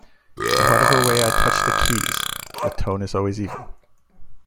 In whatever way I touch the keys, the tone is always even.